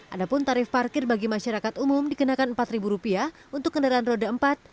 ada pun tarif parkir bagi masyarakat umum dikenakan rp empat untuk kendaraan roda empat